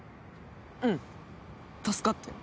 うん助かったよ。